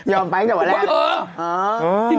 ยอมไปตั้งแต่วันแรกเหรออ๋อเออ